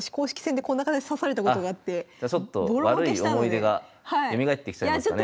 じゃあちょっと悪い思い出がよみがえってきちゃいましたね。